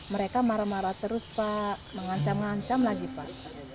mereka marah marah terus pak mengancam ngancam lagi pak